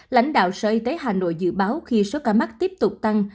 lãnh đạo sở y tế hà nội dự báo khi số ca mắc tiếp tục tăng